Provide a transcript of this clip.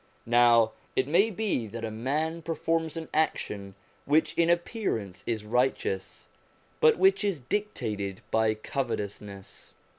Now it may be that a man performs an action which in appearance is righteous, but which is dictated by covetousness.